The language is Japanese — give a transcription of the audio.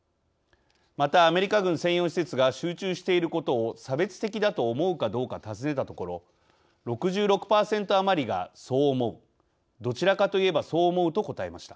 またアメリカ軍専用施設が集中していることを差別的だと思うかどうか尋ねたところ６６％余りがそう思うどちらかといえばそう思うと答えました。